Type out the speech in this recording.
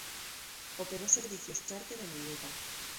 Operó servicios chárter en Europa.